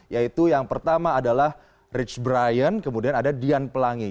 yaitu yang pertama adalah rich brian kemudian ada dian pelangi